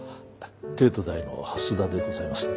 帝都大の須田でございます。